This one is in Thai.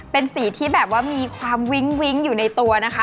เป็นสีที่แบบว่ามีความวิ้งวิ้งอยู่ในตัวนะคะ